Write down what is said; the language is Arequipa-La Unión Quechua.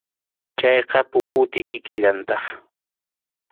Chayqa puputi kikillantaq.